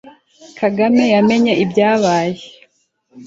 Kagame yamenye ibyabaye.